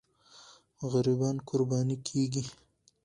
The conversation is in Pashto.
غریبان قرباني کېږي.